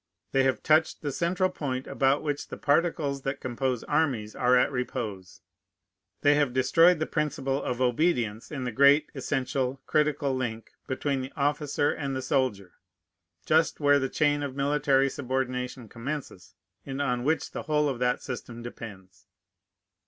They have touched the central point about which the particles that compose armies are at repose. They have destroyed the principle of obedience in the great, essential, critical link between the officer and the soldier, just where the chain of military subordination commences, and on which the whole of that system, depends.